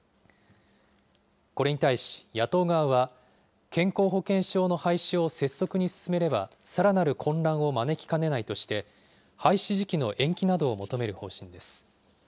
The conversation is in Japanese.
これに対し、野党側は、健康保険証の廃止を拙速に進めれば、さらなる混乱を招きかねないとして、廃止時期の延期などを求める方針です。